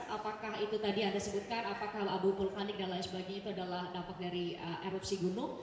apakah itu tadi anda sebutkan apakah abu vulkanik dan lain sebagainya itu adalah dampak dari erupsi gunung